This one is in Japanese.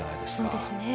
そうですね。